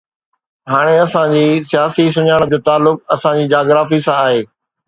هاڻي اسان جي سياسي سڃاڻپ جو تعلق اسان جي جاگرافي سان آهي.